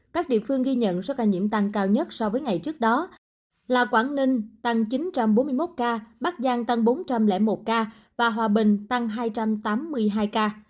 các địa phương ghi nhận số ca nhiễm tăng cao nhất so với ngày trước đó là quảng ninh tăng chín trăm bốn mươi một ca bắc giang tăng bốn trăm linh một ca và hòa bình tăng hai trăm tám mươi hai ca